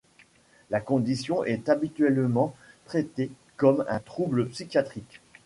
La condition est habituellement traitée comme un trouble psychiatrique.